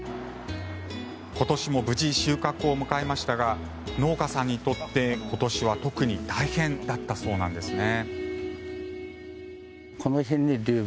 今年も無事、収穫を迎えましたが農家さんにとって、今年は特に大変だったそうなんですね。